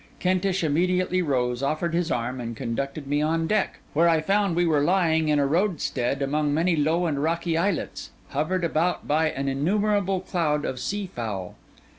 Kentish immediately rose, offered his arm, and conducted me on deck; where I found we were lying in a roadstead among many low and rocky islets, hovered about by an innumerable cloud of sea fowl.